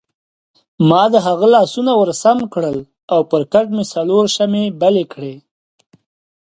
ما د هغه لاسونه ورسم کړل او پر کټ مې څلور شمعې بلې کړې.